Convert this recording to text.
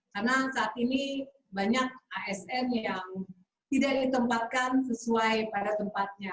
karena saat ini banyak asn yang tidak ditempatkan sesuai pada tempatnya